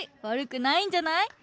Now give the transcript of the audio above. わるくないんじゃない？